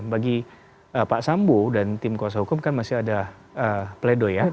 bagi pak sambo dan tim kuasa hukum kan masih ada pledo ya